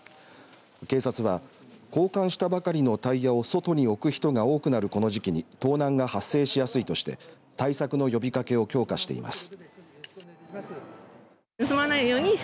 警察は、交換したばかりのタイヤを外に置く人が多くなるこの時期に盗難が発生しやすいとして対策の呼びかけを強化しています。